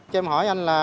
cho em hỏi anh là